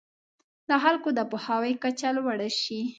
د خلکو د پوهاوي کچه لوړه شي.